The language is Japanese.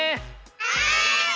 はい！